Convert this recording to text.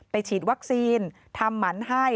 ฉีดวัคซีนทำหมันให้